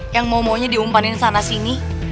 yang mau maunya diumpanin sana sini